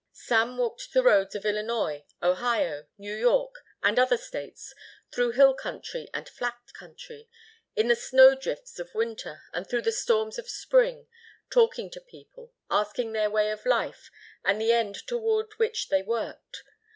Sam walked the roads of Illinois, Ohio, New York, and other states, through hill country and flat country, in the snow drifts of winter and through the storms of spring, talking to people, asking their way of life and the end toward which they worked.